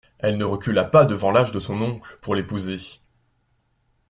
Elle ne recula pas devant l'âge de son oncle, pour l'épouser.